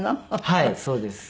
はいそうです。